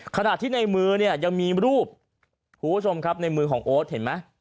ขนาดที่ในมือยังมีรูปในมือของโอดเห็นไหม